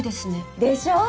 でしょ？